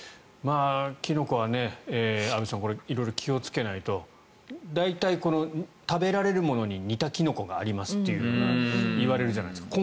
キノコは、安部さん色々気をつけないと大体、食べられるものに似たキノコがありますというのが言われるじゃないですか。